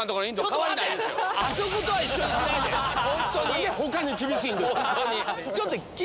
何で他に厳しいんですか？